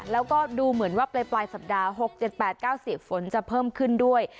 แล้วก็ดูเหมือนว่าปลายสัปดาห์๖๗๘๙๐ฝนจะเพิ่มขึ้นด้วย